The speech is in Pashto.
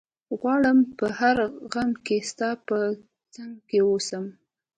غواړم په هر غم کي ستا په څنګ کي ووسم